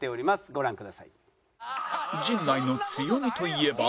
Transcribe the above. ご覧ください。